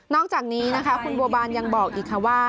อกจากนี้นะคะคุณบัวบานยังบอกอีกค่ะว่า